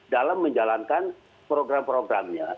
dalam menjalankan program programnya